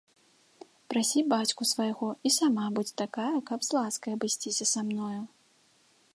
Прасі бацьку свайго і сама будзь такая, каб з ласкай абысціся са мною.